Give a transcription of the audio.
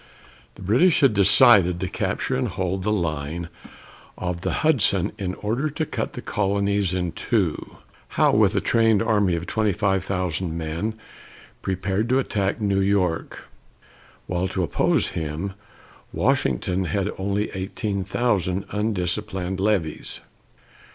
The British had decided to capture and hold the line of the Hudson in order to cut the colonies in two. Howe, with a trained army of twenty five thousand men, prepared to attack New York, while, to oppose him, Washington had only eighteen thousand undisciplined levies.